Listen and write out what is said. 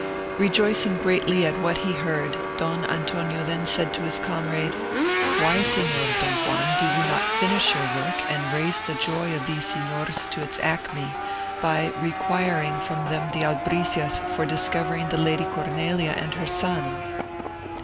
Rejoicing greatly at what he heard, Don Antonio then said to his comrade, "Why, Signor Don Juan, do you not finish your work, and raise the joy of these Signors to its acmè, by requiring from them the albricias for discovering the Lady Cornelia and her son?"